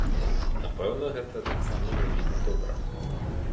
Напэўна, гэта таксама не вельмі добра.